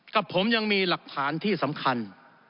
กับผมยังมีหลักฐานที่สำคัญ